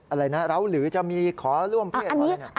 อะไรนะเราหรือจะมีขอร่วมเพศขออะไรนะ